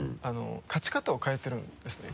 勝ち方を変えてるんですね。